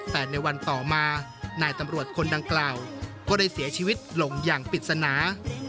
แต่ในวันต่อมานายตำรวจคนดังกล่าวก็ได้เสียชีวิตลงอย่างปริศนา